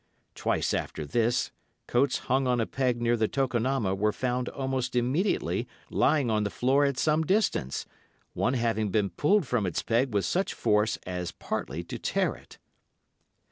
Twice after this, coats hung on a peg near the tokonoma were found almost immediately lying on the floor at some distance, one having been pulled from its peg with such force as partly to tear it.